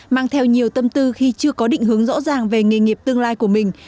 mang theo nhiều tâm tư khi chưa có định hướng rõ ràng về nghề nghiệp tương lai của mình